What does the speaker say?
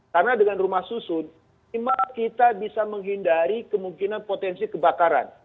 karena dengan rumah susun kita bisa menghindari kemungkinan potensi kebakaran